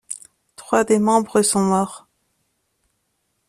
Trois des membres sont morts.